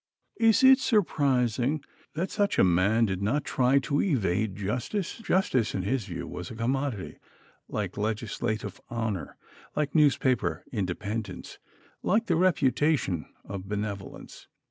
Is it surprising that such a man did not try to evade justice? Justice in his view was a commodity like legislative honor, like newspaper independence, like the reputation of benevolence.